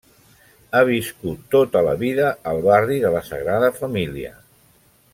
Ha viscut tota la vida al barri de la Sagrada Família.